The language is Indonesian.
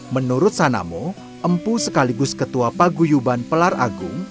menurut sanamo empu sekaligus ketua paguyuban pelar agung